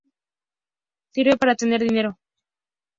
Sirve para tener dinero.